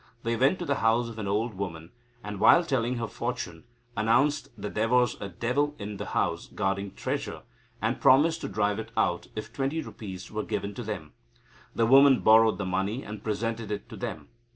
They went to the house of an old woman, and, while telling her fortune, announced that there was a devil in the house guarding treasure, and promised to drive it out, if twenty rupees were given to them. The woman borrowed the money, and presented it to them.